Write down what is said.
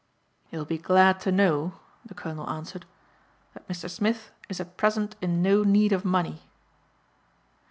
"You will be glad to know," the colonel answered, "that Mr. Smith is at present in no need of money."